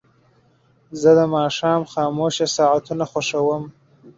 زه د ماښام خاموشه ساعتونه خوښوم.